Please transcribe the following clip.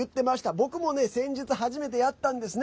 僕も先日、初めてやったんですね。